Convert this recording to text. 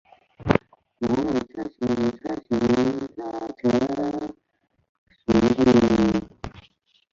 蛛毛车前为车前科车前属下的一个种。